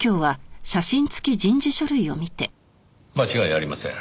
間違いありません。